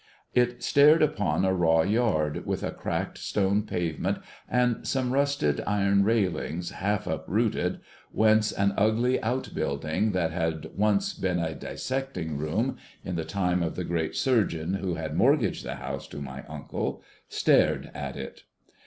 It stared upon a raw yard, with a tracked stone pavement, and some rusted iron railings half uprooted, whence an ugly out building that had once been a dissecting room (in the time of the great surgeon who had mortgaged the house to my uncle), stared at it.